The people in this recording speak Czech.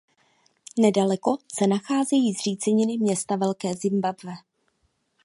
Nedaleko se nacházejí zříceniny města Velké Zimbabwe.